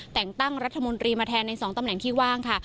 แต่งตั้งรัฐมนตรีมาแทนใน๒ตำแหน่งที่ว่างค่ะ